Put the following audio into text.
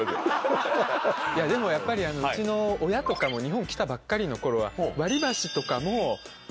でもやっぱりうちの親とかも日本来たばっかりの頃は。